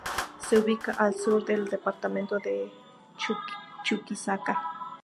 Se ubica al sur del departamento de Chuquisaca.